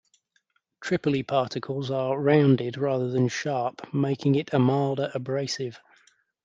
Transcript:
Tripoli particles are rounded rather than sharp, making it a milder abrasive.